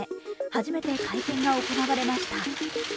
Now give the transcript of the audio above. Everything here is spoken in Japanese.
初めて会見が行われました。